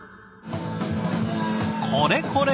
これこれ！